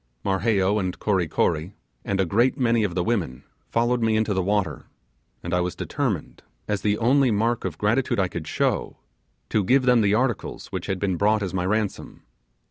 Marheyo and Kory Kory, and a great many of the women, followed me into the water, and I was determined, as the only mark of gratitude I could show, to give them the articles which had been brought as my ransom.